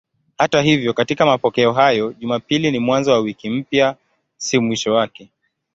Hata hivyo katika mapokeo hayo Jumapili ni mwanzo wa wiki mpya, si mwisho wake.